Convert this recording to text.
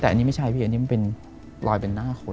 อันนี้มันเป็นรอยเป็นหน้าคน